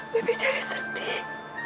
bibi jadi sedih